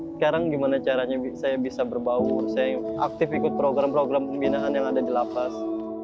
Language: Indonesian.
sekarang gimana caranya saya bisa berbaur saya aktif ikut program program pembinaan yang ada di lapas